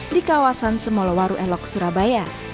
di kawasan semolowaru elok surabaya